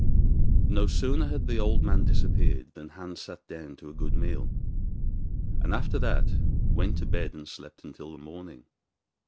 No sooner had the old man disappeared than Hans sat down to a good meal, and after that went to bed and slept until the morning.